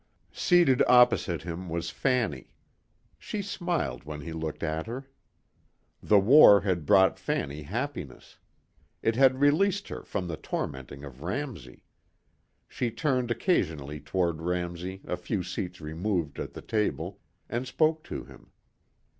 Seated opposite him was Fanny. She smiled when he looked at her. The war had brought Fanny happiness. It had released her from the tormenting of Ramsey. She turned occasionally toward Ramsey a few seats removed at the table and spoke to him.